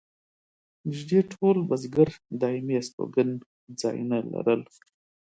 نږدې ټول بزګر دایمي استوګن ځایونه لرل.